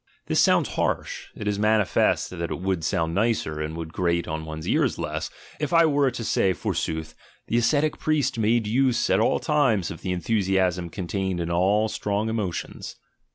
This sounds harsh: it is manifest that it would sound nicer and would grate on one's ears less, if I were to say, forsooth: "The ascetic priest made use at all times of the enthusiasm contained in all strong emotions."